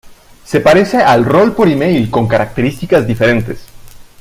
Se parece al Rol por eMail con características diferentes.